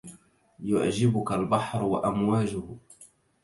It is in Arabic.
يعجبك البحر وأمواجه